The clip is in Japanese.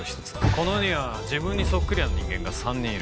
この世には自分にそっくりな人間が３人いる。